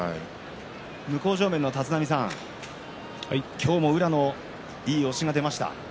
向正面の立浪さん、宇良のいい押しが出ました。